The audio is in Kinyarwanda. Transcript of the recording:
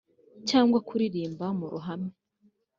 cyangwa kuririmba mu ruhame